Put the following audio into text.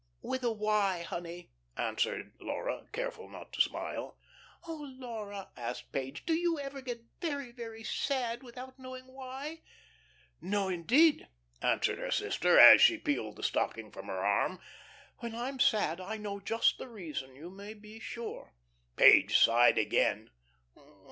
"With a y, honey," answered Laura, careful not to smile. "Oh, Laura," asked Page, "do you ever get very, very sad without knowing why?" "No, indeed," answered her sister, as she peeled the stocking from her arm. "When I'm sad I know just the reason, you may be sure." Page sighed again.